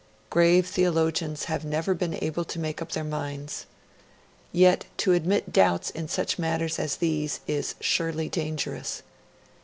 Grave theologians have never been able to make up their minds. Yet to admit doubts in such matters as these is surely dangerous.